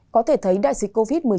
có thể thấy đại dịch covid một mươi chín